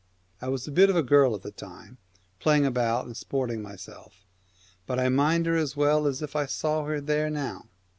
I was a bit of a girl at the time, Twilight, playing about and sporting myself, but I mind her as well as if I saw her there now